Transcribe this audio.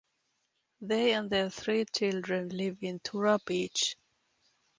They and their three children live in Tura Beach.